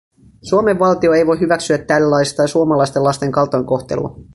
Suomen valtio ei voi hyväksyä tällaista suomalaisten lasten kaltoinkohtelua.